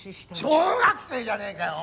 小学生じゃねえかよ！